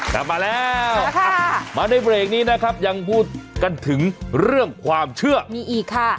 แต่มาแล้วมาในเบรกนี้นะครับยังพูดกันถึงเรื่องความเชื่อมีอีกค่ะ